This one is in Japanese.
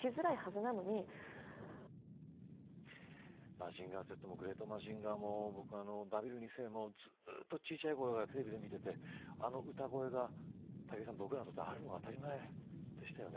マジンガーＺグレートマジンガーも僕はバビル二世もずっと小さいころからテレビで見ていてあの歌声が、僕らにはあるのが当たり前でしたね。